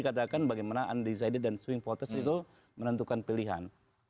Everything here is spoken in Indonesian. katakan bagaimana undecided dan swing voters itu menentukan pilihan